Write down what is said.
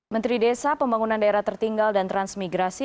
menteri desa pembangunan daerah tertinggal dan transmigrasi